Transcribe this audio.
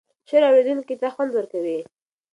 شعر اوریدونکی ته خوند ورکوي.